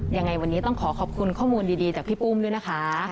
ยังไงวันนี้ต้องขอขอบคุณข้อมูลดีจากพี่ปุ้มด้วยนะคะ